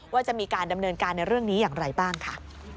ว่าจะมีการดำเนินการในเรื่องนี้อย่างไรบ้างค่ะ